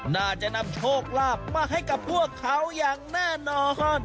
น่าจะนำโชคลาภมาให้กับพวกเขาอย่างแน่นอน